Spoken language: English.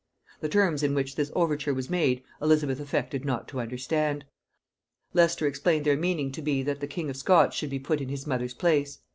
The terms in which this overture was made Elizabeth affected not to understand; Leicester explained their meaning to be, that the king of Scots should be put in his mother's place.